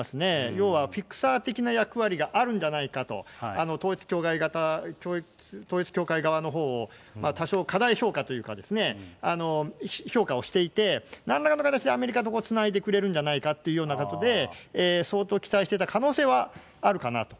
要はフィクサー的な役割があるんじゃないかと、統一教会側のほうを多少過大評価というかですね、評価をしていて、なんらかの形でアメリカとつないでくれるんじゃないかというようなことで、相当期待してた可能性はあるかなと。